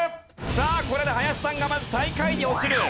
さあこれで林さんがまず最下位に落ちる。